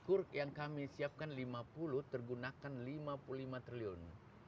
kur yang kami siapkan lima puluh tergunakan rp lima puluh lima triliun